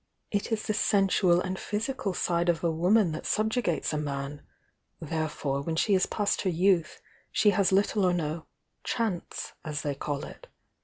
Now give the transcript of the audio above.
It is the sensual and physical side of a woman that subjugates a man, — therefore when she is past her youth she has little or no 'chance,' as they call it.